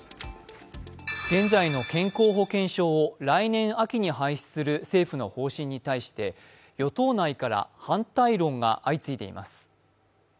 現在の健康保険証を来年秋に廃止する政府の方針について与党内から反対論が相次いでいます。